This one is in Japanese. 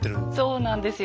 そうなんですよ。